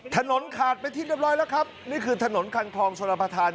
ถนนขาดไปที่เรียบร้อยแล้วครับนี่คือถนนคันคลองชลประธาน